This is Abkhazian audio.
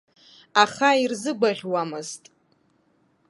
Аха ирзыгәаӷьуамызт.